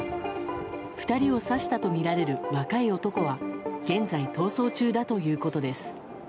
２人を刺したとみられる若い男は現在逃走中だということです。